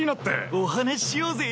お話ししようぜ。